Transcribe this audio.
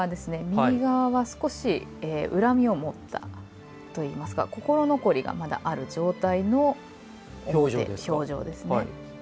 右側は少し恨みを持ったといいますか心残りがある状態の表情ですね。